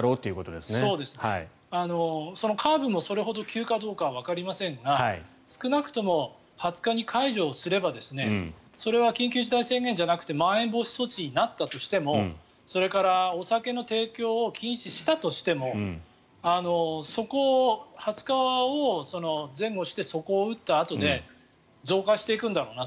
そのカーブもそれほど急かどうかはわかりませんが少なくとも２０日に解除をすればそれは緊急事態宣言じゃなくてまん延防止措置になったとしてもそれから、お酒の提供を禁止したとしても２０日を前後して底を打ったあとで増加していくんだろうなと。